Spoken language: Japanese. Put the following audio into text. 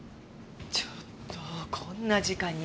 ちょっとこんな時間に呼び出す？